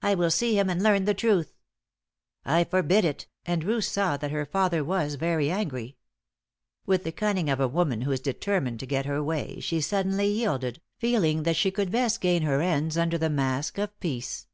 I will see him and learn the truth." "I forbid it, and Ruth saw that her father was very angry. With the cunning of a woman who is determined to get her way, she suddenly yielded, feeling that she could best gain her ends under the mask of peace.